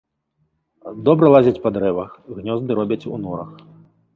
Добра лазяць па дрэвах, гнёзды робяць у норах.